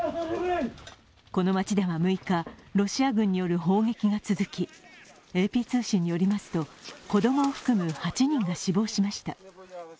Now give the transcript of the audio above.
この街では６日、ロシア軍による砲撃が続きＡＰ通信によりますと子供を含む８人が死亡しました。